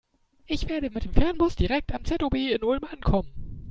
Ich werde mit dem Fernbus direkt am ZOB in Ulm ankommen.